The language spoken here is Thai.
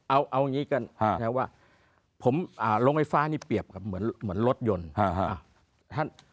เอาอย่างนี้กันผมลงไฟฟ้านี้เปรียบเหมือนรถยนต์